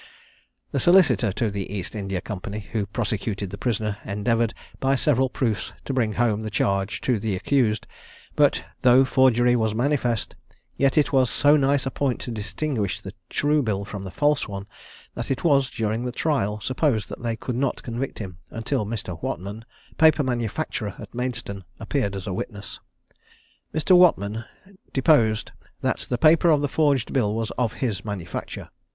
The solicitor to the East India Company, who prosecuted the prisoner, endeavoured, by several proofs, to bring home the charge to the accused; but, though forgery was manifest, yet it was so nice a point to distinguish the true bill from the false one, that it was, during the trial, supposed that they could not convict him, until Mr. Whatman, paper manufacturer at Maidstone, appeared as a witness. Mr. Whatman deposed that the paper of the forged bill was of his manufacture.